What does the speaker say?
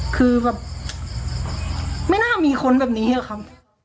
คือแบบไม่น่ามีคนแบบนี้อะครับ